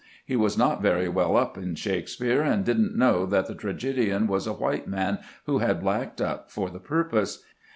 He was not very well up in Shakspere, and did n't know that the tragedian was a white man who had blacked up for the purpose.